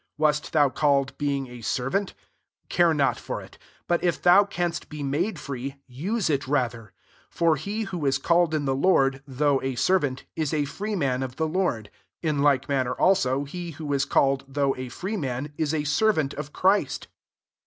^1 Wast thou called ing a servant ? care not for it : It if thou canst be made free, \c it rather. 9,9, For he who called in the Lord» thQu^h senrant, is a free man of the ord : in like manner also, he ho is called) though a free an, is a servant of Christ.